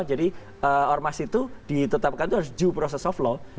jadi ormas itu ditetapkan itu harus due process of law